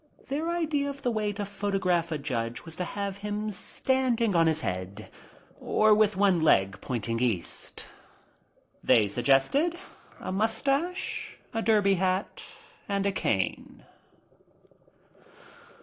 Their idea of the way to photograph a judge was to have him standing on his head or with one leg pointing east. They suggested a mustache, a derby hat, and a cane.